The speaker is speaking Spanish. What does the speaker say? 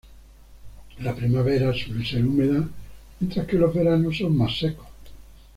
La primavera suele ser húmeda, mientras que los veranos son más secos.